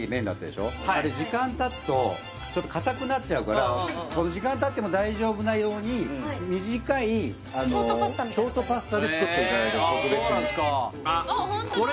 で時間たつとちょっと硬くなっちゃうから時間たっても大丈夫なように短いあのショートパスタみたいな特別にあホントだ！